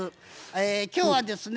今日はですね